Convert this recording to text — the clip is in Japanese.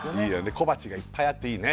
小鉢がいっぱいあっていいね